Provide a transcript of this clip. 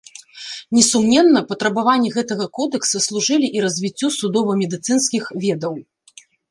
Несумненна, патрабаванні гэтага кодэкса служылі і развіццю судова-медыцынскіх ведаў.